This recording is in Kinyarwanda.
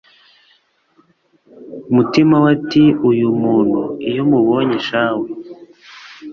mutima we ati uyu muntu iyomubonye shawe